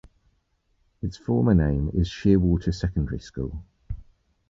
Its former name is Sheerwater Secondary School.